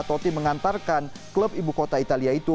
totti mengantarkan klub ibukota italia itu